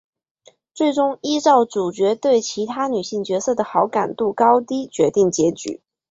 最终依照主角对其他女性角色的好感度高低决定结局。